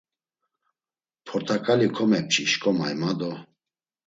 Port̆aǩali komepçi şǩomay, ma do.